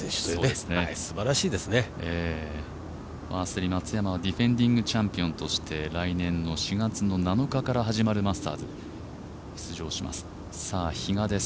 すでに松山はディフェンディングチャンピオンとして１２月７日から始まるマスターズ、出場します。